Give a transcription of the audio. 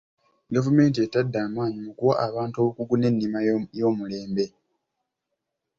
Gavumenti etadde amaanyi mu kuwa abantu obukugu n'ennima ey'omulembe.